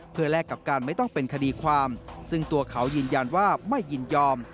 เพื่อแลกกับการไม่ต้องเป็นคดีความซึ่งตัวเขายืนยันว่าไม่ยินยอม